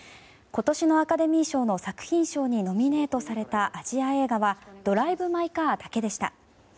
今年のアカデミー賞の作品賞にノミネートされたアジア映画は「ドライブ・マイ・カー」だけでした。